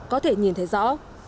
có thể nhìn thấy rõ